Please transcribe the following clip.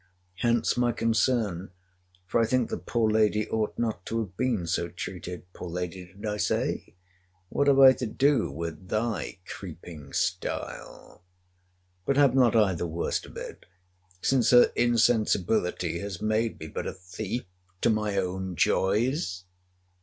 Hence my concern—for I think the poor lady ought not to have been so treated. Poor lady, did I say?—What have I to do with thy creeping style?—But have not I the worst of it; since her insensibility has made me but a thief to my own joys?